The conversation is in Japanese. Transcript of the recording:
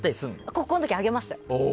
高校の時、あげましたよ。